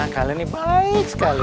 kalian nih baik sekali